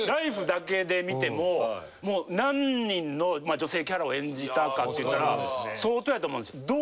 「ＬＩＦＥ！」だけで見てももう何人の女性キャラを演じたかっていったら相当やと思うんですよ。